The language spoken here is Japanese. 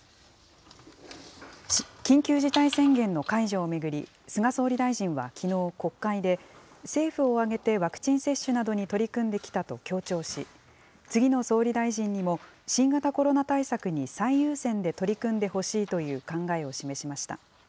緊急事態宣言の解除を巡り、菅総理大臣はきのう、国会で政府を挙げてワクチン接種などに取り組んできたと強調し、次の総理大臣にも、新型コロナ対策に最優先で取り組んでほしいという考えを示しました。